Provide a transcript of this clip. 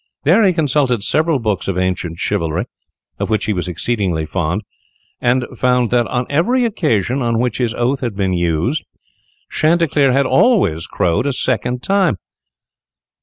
There he consulted several books of ancient chivalry, of which he was exceedingly fond, and found that, on every occasion on which this oath had been used, Chanticleer had always crowed a second time.